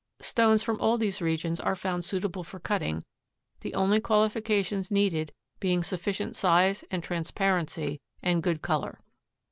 Stones from all these regions are found suitable for cutting, the only qualifications needed being sufficient size and transparency and good color.